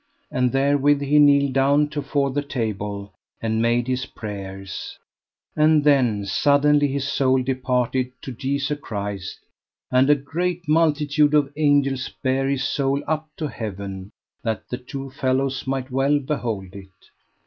And therewith he kneeled down to fore the table and made his prayers, and then suddenly his soul departed to Jesu Christ, and a great multitude of angels bare his soul up to heaven, that the two fellows might well behold it.